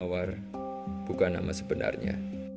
mawar bukan nama sebenarnya